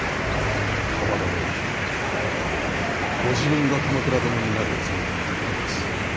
蒲殿はご自分が鎌倉殿になるおつもりだったようです。